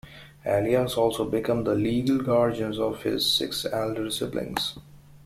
Elias also became the legal guardian of his six elder siblings.